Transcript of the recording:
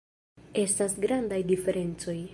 Estas grandaj diferencoj.